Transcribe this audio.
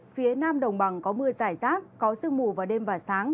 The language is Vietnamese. phía nam đồng bằng có mưa giải rác có sương mù vào đêm và sáng